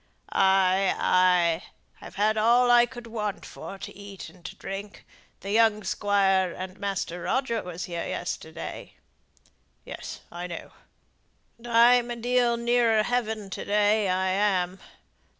"Ay, ay, I've had all as I could want for to eat and to drink. The young squire and Master Roger was here yesterday." "Yes, I know." "But I'm a deal nearer Heaven to day, I am.